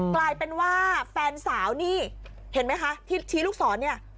กลายเป็นว่าแฟนสาวนี่เห็นไหมคะที่ชี้ลูกศรเนี่ย